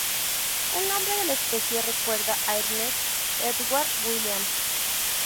El nombre de la especie recuerda a Ernest Edward Williams.